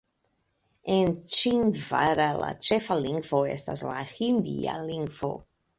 En Ĉindvara la ĉefa lingvo estas la hindia lingvo.